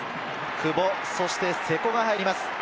久保、そして瀬古が入ります。